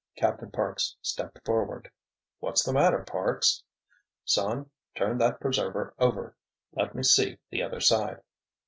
Captain Parks stepped forward. "What's the matter, Parks?" "Son, turn that preserver over—let me see the other side."